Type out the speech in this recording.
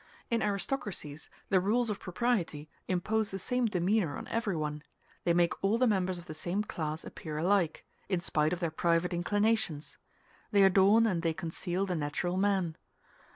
In aristocracies the rules of propriety impose the same demeanor on everyone; they make all the members of the same class appear alike, in spite of their private inclinations; they adorn and they conceal the natural man.